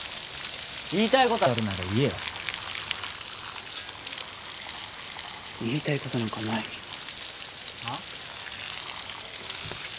言いたいことあるなら言えよ言いたいことなんかないはっ？